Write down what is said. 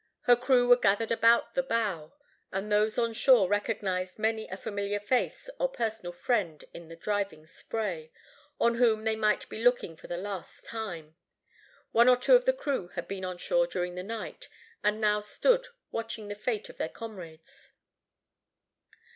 Her crew were gathered about the bow, and those on shore recognized many a familiar face or personal friend in the driving spray, on whom they might be looking for the last time. One or two of the crew had been on shore during the night, and now stood watching the fate of their comrades.